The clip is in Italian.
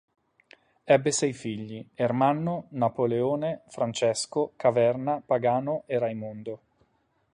Ebbe sei figli; Ermanno, Napoleone, Francesco, Caverna, Pagano e Raimondo.